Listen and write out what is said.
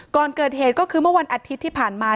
ก่อนเกิดเหตุก็คือเมื่อวันอาทิตย์ที่ผ่านมา